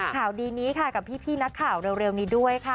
ข่าวดีนี้ค่ะกับพี่นักข่าวเร็วนี้ด้วยค่ะ